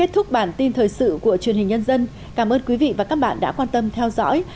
kết thúc bản tin thời sự của truyền hình nhân dân cảm ơn quý vị và các bạn đã quan tâm theo dõi